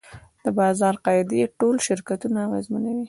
د بازار قاعدې ټول شرکتونه اغېزمنوي.